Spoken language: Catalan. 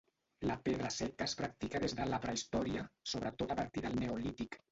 La pedra seca es practica des de la prehistòria, sobretot a partir del neolític.